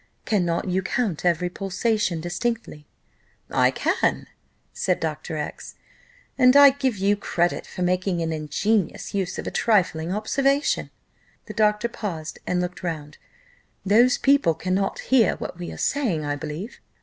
Cannot you count every pulsation distinctly?" "I can," said Dr. X , "and I give you credit for making an ingenious use of a trifling observation." The doctor paused and looked round. "Those people cannot hear what we are saying, I believe?"